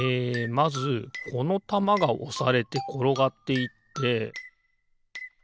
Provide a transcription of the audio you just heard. まずこのたまがおされてころがっていってなんだ？